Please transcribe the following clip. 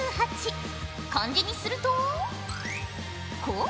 漢字にするとこう。